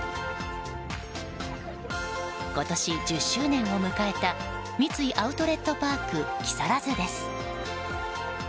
今年１０周年を迎えた三井アウトレットパーク木更津です。